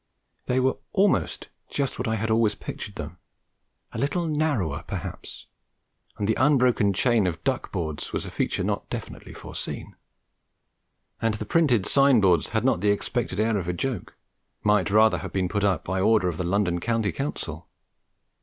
They were almost just what I had always pictured them; a little narrower, perhaps; and the unbroken chain of duck boards was a feature not definitely foreseen; and the printed sign boards had not the expected air of a joke, might rather have been put up by order of the London County Council.